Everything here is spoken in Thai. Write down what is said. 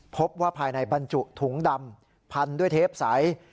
พบว่าภายในบรรจุถุงดำพันด้วยเทปใส